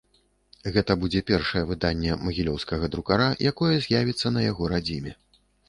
Гэта будзе першае выданне магілёўскага друкара, якое з'явіцца на яго радзіме.